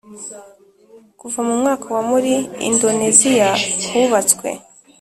Kuva mu mwaka wa muri Indoneziya hubatswe